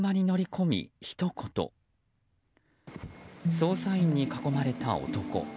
捜査員に囲まれた男。